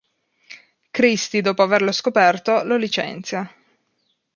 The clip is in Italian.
Christie, dopo averlo scoperto, lo licenzia.